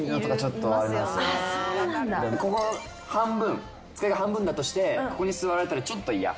ここ机が半分だとしてここに座られたらちょっと嫌。